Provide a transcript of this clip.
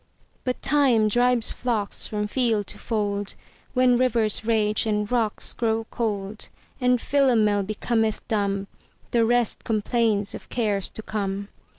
But Time drives flocks from field to fold; When rivers rage and rocks grow cold; And Philomel becometh dumb; The rest complains of cares to come.